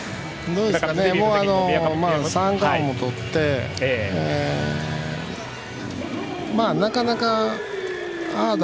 三冠王もとってなかなか、ああだ